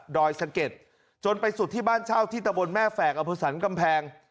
อยสะเก็ดจนไปสุดที่บ้านเช่าที่ตะบนแม่แฝกอเภอสันกำแพง